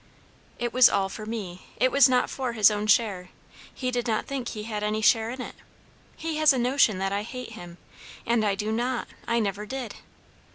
"It was all for me; it was not for his own share; he did not think he had any share in it. He has a notion that I hate him; and I do not; I never did."